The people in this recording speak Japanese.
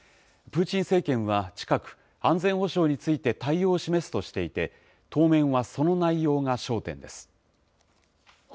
プーチン政権は近く、安全保障について対応を示すとしていて、当面はその内容が焦点です。